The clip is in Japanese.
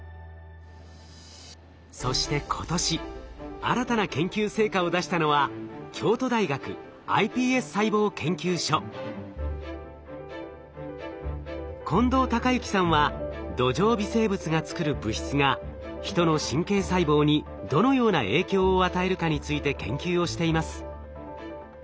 そして今年新たな研究成果を出したのは近藤孝之さんは土壌微生物が作る物質が人の神経細胞にどのような影響を与えるかについて研究をしています。